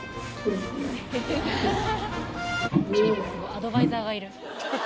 アドバイザーがいる。